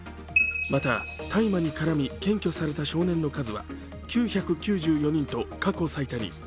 また大麻に絡み検挙された少年の数は９９４人と過去最多に。